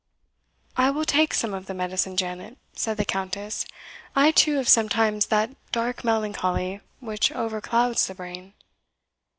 "I will take some of the medicine, Janet," said the Countess. "I too have sometimes that dark melancholy which overclouds the brain."